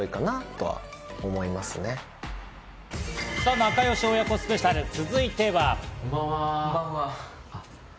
仲良し親子スペシャル、続いては。